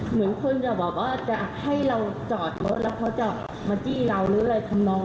เหมือนคนจะบอกว่าจะให้เราจอดรถแล้วเขาจะมาจี้เราหรืออะไรทำนอง